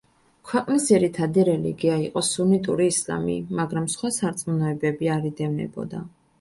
ქვეყნის ძირითადი რელიგია იყო სუნიტური ისლამი, მაგრამ სხვა სარწმუნოებები არ იდევნებოდა.